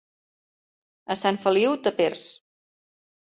A Sant Feliu, tapers.